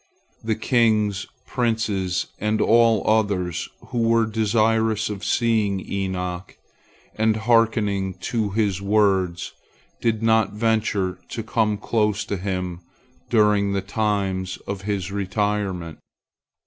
The kings, princes, and all others who were desirous of seeing Enoch and hearkening to his words did not venture to come close to him during the times of his retirement.